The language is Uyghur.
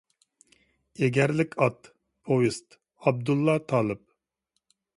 «ئېگەرلىك ئات» ، پوۋېست، ئابدۇللا تالىپ.